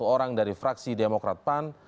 sepuluh orang dari fraksi demokrat pan